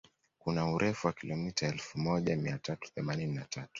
Kuna urefu wa kilomita elfu moja mia tatu themanini na tatu